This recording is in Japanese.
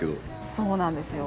そうなんですよ。